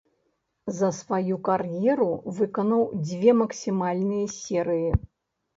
За сваю кар'еру выканаў дзве максімальныя серыі.